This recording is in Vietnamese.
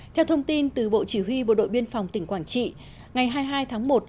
theo thông tin từ bộ chỉ huy bộ đội biên phòng tỉnh quảng trị ngày hai mươi hai tháng một